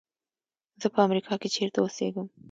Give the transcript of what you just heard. زه په امریکا کې چېرته اوسېږم.